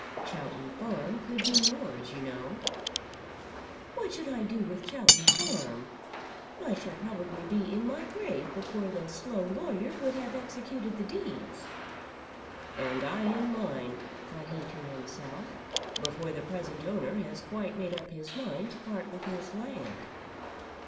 "Chowton Farm could be yours, you know." "What should I do with Chowton Farm? I shall probably be in my grave before the slow lawyer would have executed the deeds." And I in mine, thought he to himself, before the present owner has quite made up his mind to part with his land.